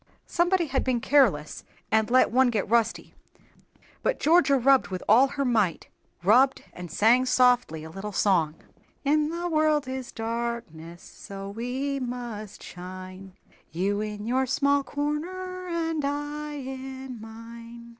Somebody had been careless and let one get rusty, but Georgia rubbed with all her might, rubbed, and sang softly a little song: "In the world is darkness, So we must shine, You in your small corner, And I in mine."